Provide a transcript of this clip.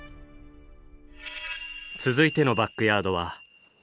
続いてのバックヤードは。